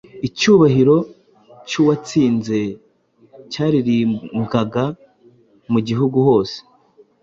icyubahiro cy’uwatsinze cyaririmbwaga mu gihugu hose;